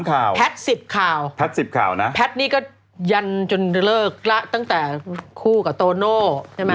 ขวัญ๑๓ข่าวแพท๑๐ข่าวแพทนี้ก็ยันจนเลิกละตั้งแต่คู่กับโตโน่ใช่ไหม